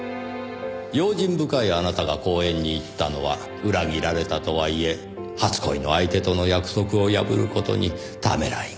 用心深いあなたが公園に行ったのは裏切られたとはいえ初恋の相手との約束を破る事にためらいがあったのか。